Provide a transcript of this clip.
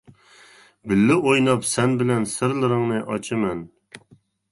بىللە ئويناپ سەن بىلەن، سىرلىرىڭنى ئاچىمەن.